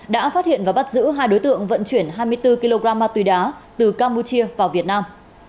đã phát hiện và bắt giữ hai đối tượng vận chuyển hai mươi bốn kg ma túy đá từ campuchia vào việt nam